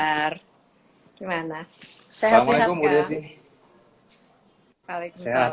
saya akan langsung sapa dan akan menerima request dari budi desian war selaku dewar redaksi sian indonesia tv